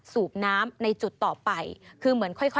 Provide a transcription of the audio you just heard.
สวัสดีค่ะสวัสดีค่ะ